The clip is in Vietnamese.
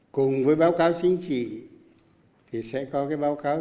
cùng với báo cáo chính trị thì sẽ có cái báo cáo